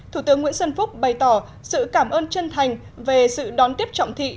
thủ tướng nguyễn xuân phúc bày tỏ sự cảm ơn chân thành về sự đón tiếp trọng thị